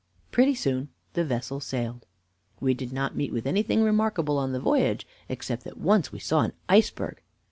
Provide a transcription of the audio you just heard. Pretty soon the vessel sailed. "We did not meet with anything remarkable on the voyage, except that once we saw an iceberg."